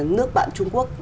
nước bạn trung quốc